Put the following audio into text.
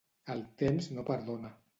El temps no perdona.